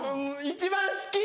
一番好き！